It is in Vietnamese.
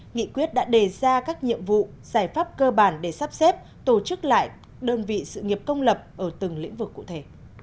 nghị quyết đã đề ra các nhiệm vụ giải pháp cơ bản để sắp xếp tổ chức lại đơn vị sự nghiệp công lập ở từng lĩnh vực cụ thể